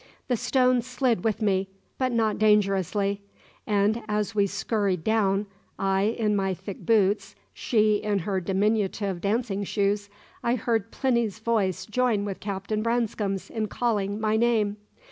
The stones slid with me, but not dangerously; and as we scurried down I in my thick boots, she in her diminutive dancing shoes I heard Plinny's voice join with Captain Branscome's in calling my name.